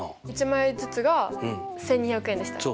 １枚ずつが１２００円でしたっけ？